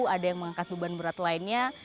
ada yang mengangkat beban berat lainnya